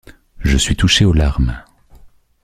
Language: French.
Je suis touchée aux larmes.